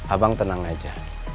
abang tenang aja